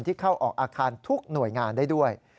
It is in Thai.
ที่เข้าออกอาคารทุกหน่วยงานได้ด้วย